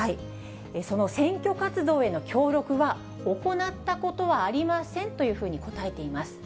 その選挙活動への協力は行ったことはありませんというふうに答えています。